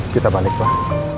kita balik pak